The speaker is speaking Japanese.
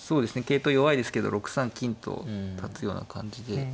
桂頭弱いですけど６三金と立つような感じで。